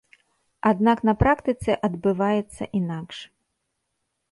Аднак на практыцы адбываецца інакш.